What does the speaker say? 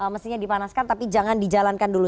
mesinnya dipanaskan tapi jangan dijalankan dulu